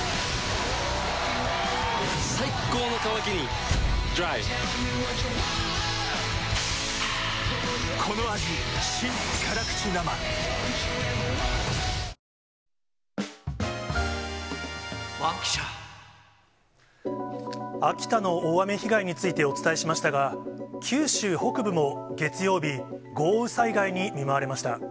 最高の渇きにＤＲＹ秋田の大雨被害についてお伝えしましたが、九州北部も月曜日、豪雨災害に見舞われました。